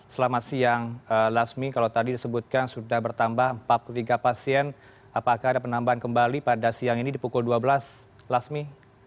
selamat siang lasmi kalau tadi disebutkan sudah bertambah empat puluh tiga pasien apakah ada penambahan kembali pada siang ini di pukul dua belas lasmi